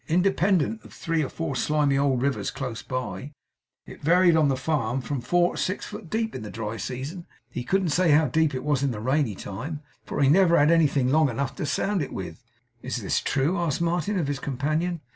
Independent of three or four slimy old rivers close by, it varied on the farm from four to six foot deep in the dry season. He couldn't say how deep it was in the rainy time, for he never had anything long enough to sound it with.' 'Is this true?' asked Martin of his companion.